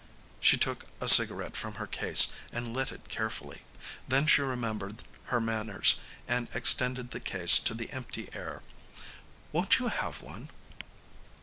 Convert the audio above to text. She took a cigarette from her case and lit it carefully. Then she remembered her manners and extended the case to the empty air. "Won't you have one?"